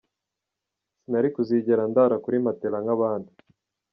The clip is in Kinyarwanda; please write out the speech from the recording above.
Sinari kuzigera ndara kuri matela nk’abandi”.